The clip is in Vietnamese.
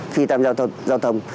khi tham gia giao thông